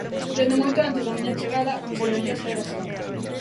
Dende moito antes da miña chegada á consellaría xa era así.